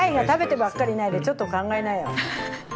食べてばっかりいないでちょっと考えなよ。